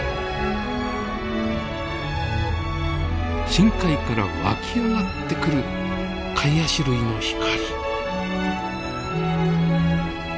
深海から湧き上がってくるカイアシ類の光。